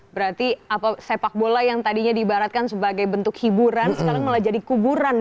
berarti sepak bola yang tadinya diibaratkan sebagai bentuk hiburan sekarang malah jadi kuburan